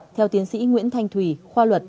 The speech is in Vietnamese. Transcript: theo tiến sĩ nguyễn thành thùy khoa luật